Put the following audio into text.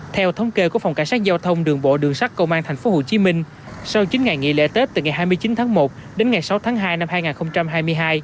theo thống kê của phòng cảnh sát giao thông đường bộ đường sắt cầu an thành phố hồ chí minh sau chín ngày nghỉ lễ tết từ ngày hai mươi chín tháng một đến ngày sáu tháng hai năm hai nghìn hai mươi hai